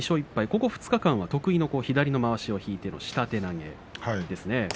ここ２日間は得意の左のまわしを引いての下手投げですね。